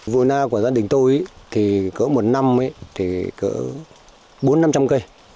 vụ na của gia đình tôi thì có một năm thì có bốn năm trăm linh cây